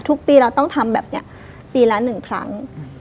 ทุกปีเราต้องทำแบบนี้ปีละ๑ครั้ง